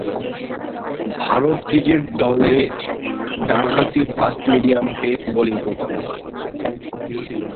Bharat cricket দলে ডানহাতি fast medium pace bowling করতেন।